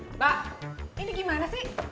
mbak ini gimana sih